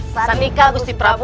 salam sejahtera gusti prabu